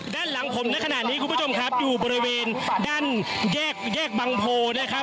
ด้านหลังผมในขณะนี้คุณผู้ชมครับอยู่บริเวณด้านแยกบังโพนะครับ